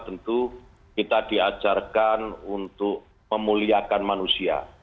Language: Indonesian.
tentu kita diajarkan untuk memuliakan manusia